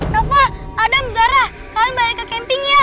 ya kali ya udah cepetan